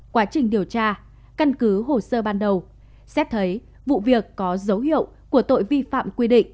quá trình điều tra căn cứ hồ sơ ban đầu xét thấy vụ việc có dấu hiệu của tội vi phạm quy định